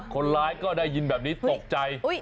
คนร้ายก็ได้ยินแบบนี้ตกใจ